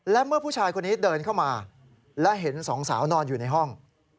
และเมื่อผู้ชายคนนี้เดินเข้ามาและเห็นสองสาวนอนอยู่ในห้อง